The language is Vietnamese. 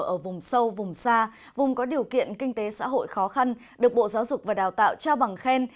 ở vùng sâu vùng xa vùng có điều kiện kinh tế xã hội khó khăn được bộ giáo dục và đào tạo trao bằng khen